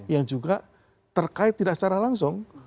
yang juga terkait tidak secara langsung